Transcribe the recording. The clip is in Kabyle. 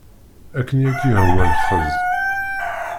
Akken i ak-yehwa lexxez.